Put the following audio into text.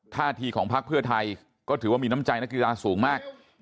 ท่าทีของพักเพื่อไทยก็ถือว่ามีน้ำใจนักกีฬาสูงมาก